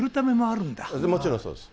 もちろんそうです。